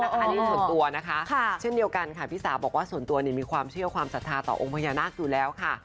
อันนี้ส่วนตัวนะคะเช่นเดียวกันค่ะพี่สาวบอกว่าส่วนตัวมีความเชื่อความศรัทธาต่อองค์พญานาคอยู่แล้วค่ะ